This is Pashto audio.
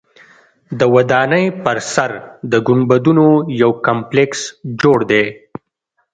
د ودانۍ پر سر د ګنبدونو یو کمپلیکس جوړ دی.